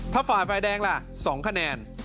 ถ้าฝ่ายไฟแดงล่ะ๒คะแนน